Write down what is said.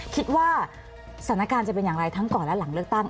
คิดว่าสถานการณ์จะเป็นอย่างไรทั้งก่อนและหลังเลือกตั้ง